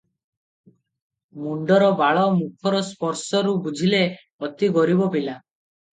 ମୁଣ୍ଡର ବାଳ ମୁଖର ସ୍ପର୍ଶରୁ ବୁଝିଲେ, ଅତି ଗରିବ ପିଲା ।